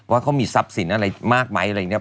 ว่าเขามีทรัพย์สินอะไรมากมั้ย